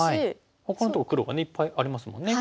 ほかのとこ黒がいっぱいありますもんね。